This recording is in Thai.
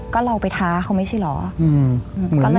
ก็เราไปท้าเขาไม่ใช่เหรอ